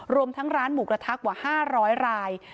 รวมทั้งร้านหมูกระทะกว่า๕๐๐ราย